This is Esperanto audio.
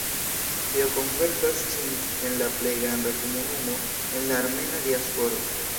Tio konvertas ĝin en la plej granda komunumo en la armena diasporo.